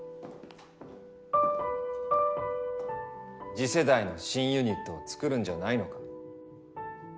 次世代の新ユニットを作るんじゃないのか？